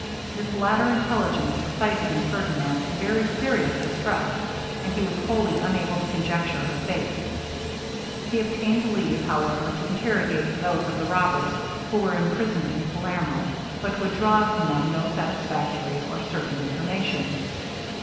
This latter intelligence excited in Ferdinand a very serious distress, and he was wholly unable to conjecture her fate. He obtained leave, however, to interrogate those of the robbers, who were imprisoned at Palermo, but could draw from them no satisfactory or certain information.